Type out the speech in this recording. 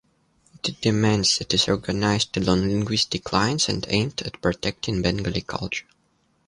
It demands that is organized along linguistic lines and aimed at protecting Bengali culture.